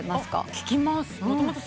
聴きます。